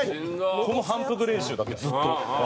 この反復練習だけずっと。